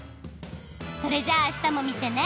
それじゃああしたもみてね！